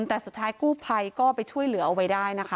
แต่สุดท้ายกู้ภัยก็ไปช่วยเหลือเอาไว้ได้นะคะ